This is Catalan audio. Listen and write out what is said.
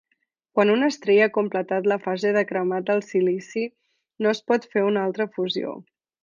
Quan una estrella ha completat la fase de cremat del silici no es pot fer una altra fusió.